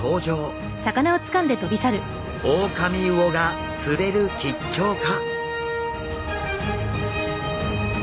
オオカミウオが釣れる吉兆か！？